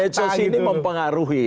medsos ini mempengaruhi